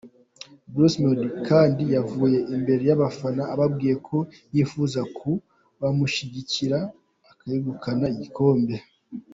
Bruce Melody kandi yavuye imbere y’abafana ababwiye ko yifuza ko bamushyigikira akegukana igikombe.